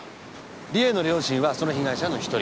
理恵の両親はその被害者の一人。